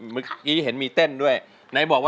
แล้วน้องใบบัวร้องได้หรือว่าร้องผิดครับ